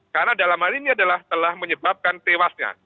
karena dalam hal ini adalah telah menyebabkan tewasnya